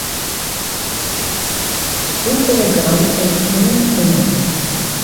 Hoefolle gram is ien ûns?